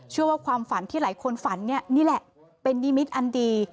ว่าความฝันที่หลายคนฝันนี่แหละเป็นนิมิตรอันดี